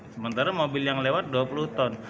sementara mobil yang lewat dua puluh ton